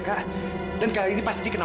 gawat d mita tuh kabur